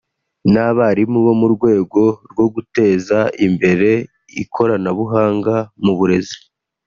n’abarimu mu rwego rwo guteza imbere ikoranabuhanga mu burezi